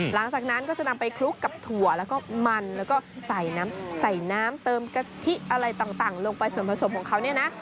หลังจากนั้นก็จะนำไปคลุกกับถั่วแล้วก็มันแล้วก็ใส่น้ำใส่น้ำเติมกะทิอะไรต่างลงไปส่วนผสมของเขาเนี่ยนะ